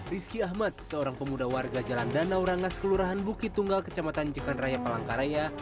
risky ahmad seorang pemuda warga jalan danau rangas kelurahan bukit tunggal kecamatan jekanraya palangkaraya